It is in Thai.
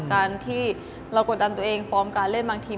การที่เรากดดันตัวเองฟอร์มการเล่นบางที